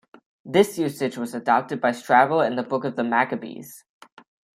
This usage was adopted by Strabo and the Books of the Maccabees.